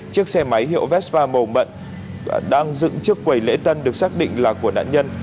chiếc xe máy hiệu vespa màu mận đang dựng trước quầy lễ tân được xác định là của nạn nhân